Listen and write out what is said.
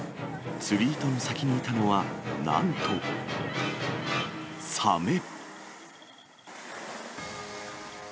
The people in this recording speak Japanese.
釣り糸の先にいたのは、なんと、サメ。